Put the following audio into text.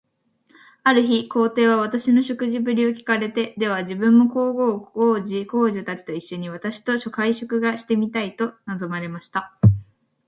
ある日、皇帝は私の食事振りを聞かれて、では自分も皇后、皇子、皇女たちと一しょに、私と会食がしてみたいと望まれました。